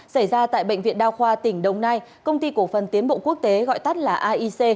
xảy ra tại bệnh viện đa khoa tỉnh đồng nai công ty cổ phần tiến bộ quốc tế gọi tắt là aic